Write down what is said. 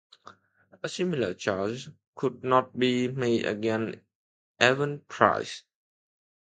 A similar charge could not be made against Evan Price.